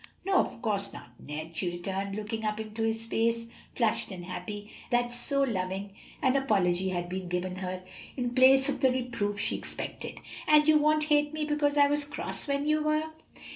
"No, of course not, Ned," she returned, looking up into his face flushed and happy, that so loving an apology had been given her in place of the reproof she expected; "and you won't hate me because I was cross when you were?"